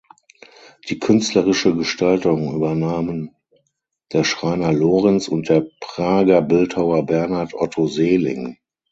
Die künstlerische Gestaltung übernahmen der Schreiner Lorenz und der Prager Bildhauer Bernhard Otto Seeling.